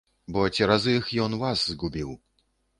Бо цераз іх ён вас згубіў.